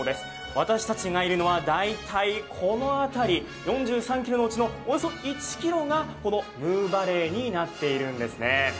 私たちがいるのは大体この辺り、４３ｋｍのうちのおよそ１ｋｍがムーバレーになっているんですね。